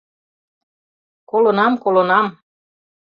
Колынам, колынам...